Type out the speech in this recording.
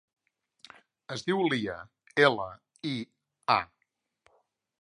Es diu Lia: ela, i, a.